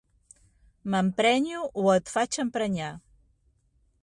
M'emprenyo o et faig emprenyar.